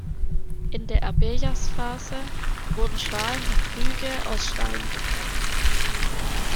In der Abejas-Phase wurden Schalen und Krüge aus Stein gefertigt.